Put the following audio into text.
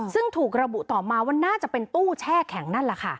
ซึ่งถูกระบุต่อมาว่าน่าจะเป็นตู้แช่แข็งนั่นแหละค่ะ